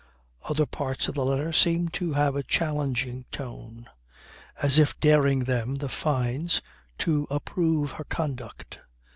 Other parts of the letter seemed to have a challenging tone as if daring them (the Fynes) to approve her conduct.